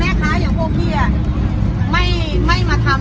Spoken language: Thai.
แม่ค้าอย่างพวกพี่อ่ะไม่ไม่มาทำให้แบบประเทศไทยเสียหายหรอก